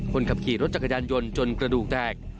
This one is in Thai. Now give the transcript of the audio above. คนขับขี่รถจักรยานยนต์จนกระดูกแตก